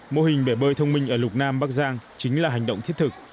mô hình bể bơi thông minh ở lục nam bắc giang chính là hành động thiết thực